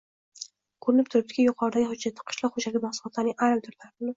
Ko‘rinib turibdiki, yuqoridagi hujjatda qishloq xo‘jaligi mahsulotlarining ayrim turlarini